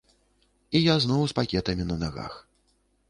І я зноў з пакетамі на нагах.